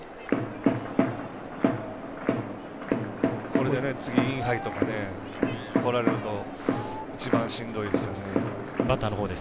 これで次インハイとかこられると一番しんどいですよね。